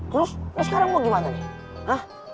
terus sekarang mau gimana nih